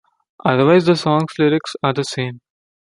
Otherwise, the song's lyrics are the same.